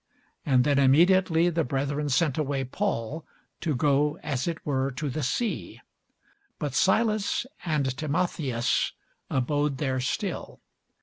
And then immediately the brethren sent away Paul to go as it were to the sea: but Silas and Timotheus abode there still.